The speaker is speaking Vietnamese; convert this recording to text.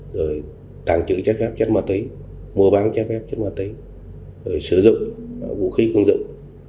rồi tàng trữ chép phép chất mạ tí mua bán chép phép chất mạ tí rồi sử dụng vũ khí phương dựng